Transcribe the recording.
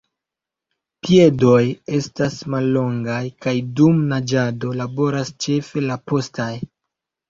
Piedoj estas mallongaj kaj dum naĝado laboras ĉefe la postaj.